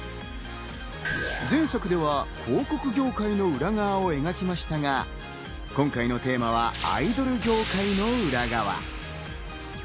前作では広告業界の裏側を描きましたが、今回のテーマはアイドル業界の裏側。